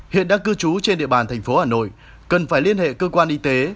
hiện đã cư trú trên địa bàn tp hà nội cần phải liên hệ cơ quan y tế